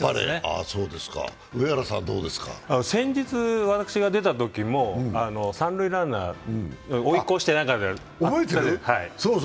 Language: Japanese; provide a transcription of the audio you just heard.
先日、私が出たときも三塁ランナーを追い越して。